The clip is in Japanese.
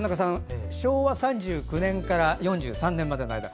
昭和３９年から４３年までの間